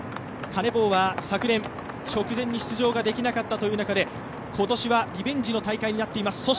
カネボウは昨年、直前に出場できなかった中で、今年はリベンジの大会になっています。